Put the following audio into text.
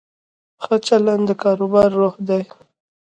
ښه چلند د کاروبار روح دی.